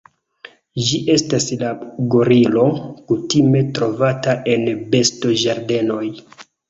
Ĝi estas la gorilo kutime trovata en bestoĝardenoj.